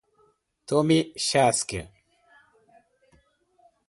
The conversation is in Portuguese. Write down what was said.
Toma o chasque